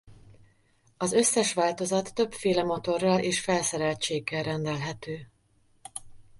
Az összes változat többféle motorral és felszereltséggel rendelhető.